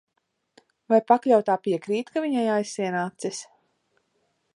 Vai pakļautā piekrīt, ka viņai aizsien acis?